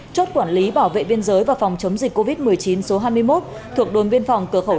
chốt quản lý bảo vệ biên giới và phòng chống dịch covid một mươi chín số hai mươi một thuộc đồn biên phòng cửa khẩu